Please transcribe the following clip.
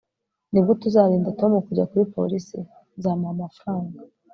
nigute uzarinda tom kujya kuri polisi? nzamuha amafaranga